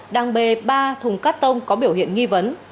đang bê ba thùng cắt tông có biểu hiện nghi vấn